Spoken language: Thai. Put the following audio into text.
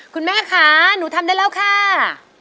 คุณแม่ค่ะหนูทำได้แล้วค่ะ